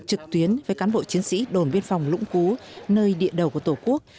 trực tuyến với cán bộ chiến sĩ đồn biên phòng lũng cú nơi địa đầu của tổ quốc